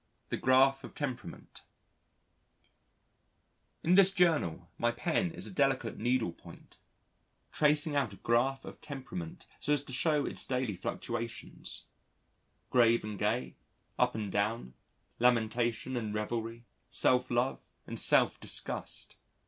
The Graph of Temperament In this Journal, my pen is a delicate needle point, tracing out a graph of temperament so as to show its daily fluctuations: grave and gay, up and down, lamentation and revelry, self love and self disgust.